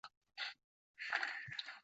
萧韶初以宗室身份封上甲县都乡侯。